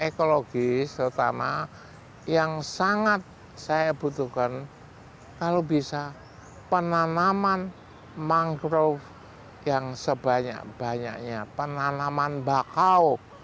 kondisi ekologis utara jawa tengah yang sangat saya butuhkan kalau bisa penanaman mangrove yang sebanyak banyaknya penanaman bakau